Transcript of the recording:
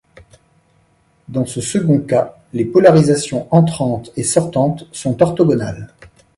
Dans ce second cas, les polarisations entrantes et sortantes sont orthogonales.